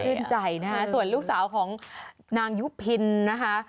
ใจนะคะส่วนลูกสาวของนางยุพินนะคะ